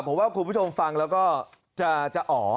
ผมว่าคุณผู้ชมฟังแล้วก็จะอ๋อ